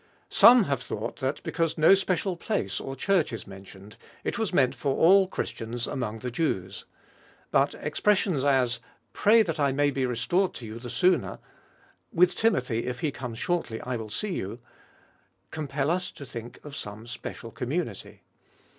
Some have thought that, because no special place or church is mentioned, it was meant for all Christians among the Jews. But expressions as, " Pray that I may be restored to you the sooner," " With Timothy, if he come shortly, I will see you," compel us to think of some special community.